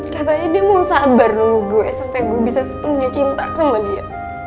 katanya dia mau sabar nunggu gue sampai gue bisa sepenuhnya cinta sama dia